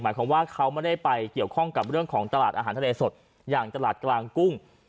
หมายความว่าเขาไม่ได้ไปเกี่ยวข้องกับเรื่องของตลาดอาหารทะเลสดอย่างตลาดกลางกุ้ง